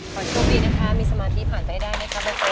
ขอโชคดีนะคะมีสมาธิผ่านไปได้ไหมครับเบอร์เซ